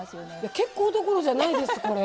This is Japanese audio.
結構どころじゃないですこれ。